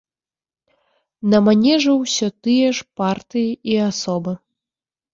На манежу ўсё тыя ж партыі і асобы.